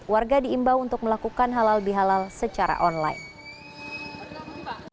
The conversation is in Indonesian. warga diimbau untuk melakukan halal bihalal secara online